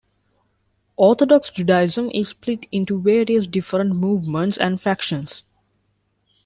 Orthodox Judaism is split into various different movements and factions.